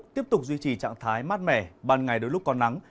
tiếp tục duy trì trạng thái mát mẻ ban ngày đôi lúc có nắng